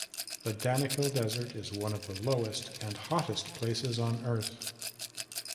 The Danakil Desert is one of the lowest and hottest places on Earth.